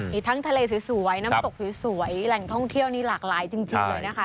มีทั้งทะเลสวยน้ำตกสวยแหล่งท่องเที่ยวนี้หลากหลายจริงเลยนะคะ